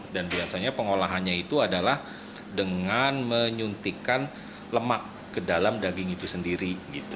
dan biasanya pengolahannya itu adalah dengan menyuntikkan lemak ke dalam daging itu sendiri